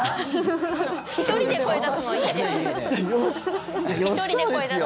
１人で声出すのはいいですよ。